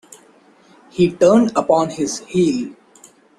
He turned upon his heel.